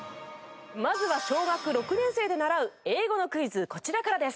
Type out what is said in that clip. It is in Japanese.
まずは小学６年生で習う英語のクイズこちらからです。